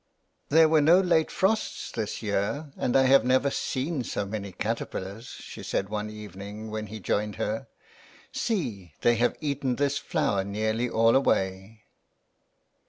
" There w^ere no late frosts this year and I have never seen so many caterpillars !" shesaid one evening when he joined her; " See they have eaten this flower nearly all away."